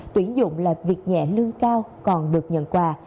tuyển dụng là việc nhẹ lương cao còn được nhận quà